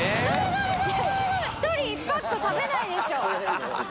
１人１パック食べないでしょ。